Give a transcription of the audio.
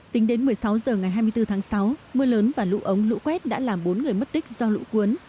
tính đến một mươi sáu h ngày hai mươi bốn tháng sáu mưa lớn và lũ ống lũ quét đã làm bốn người mất tích do lũ cuốn